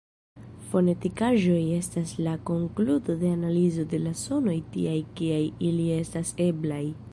Fonetikaĵoj estas la konkludo de analizo de la sonoj tiaj kiaj ili estas eblaj.